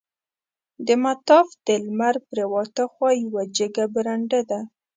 د مطاف د لمر پریواته خوا یوه جګه برنډه ده.